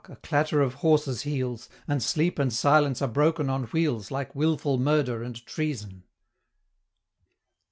a clatter of horses' heels; And Sleep and Silence are broken on wheels, Like Wilful Murder and Treason!